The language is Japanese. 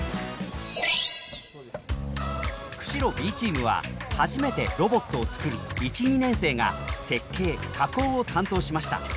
釧路Ｂチームは初めてロボットを作る１２年生が設計加工を担当しました。